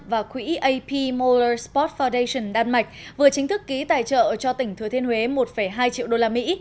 và quỹ apmer sport foundation đan mạch vừa chính thức ký tài trợ cho tỉnh thừa thiên huế một hai triệu đô la mỹ